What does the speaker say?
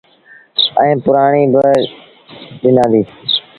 ائيٚݩ پرڻآئي با ڏنآݩدي۔